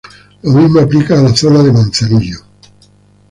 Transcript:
Lo mismo aplica a la zona de Manzanillo.